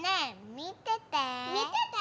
みてて。